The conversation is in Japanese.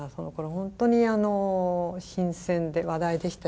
本当に新鮮で話題でしたよね。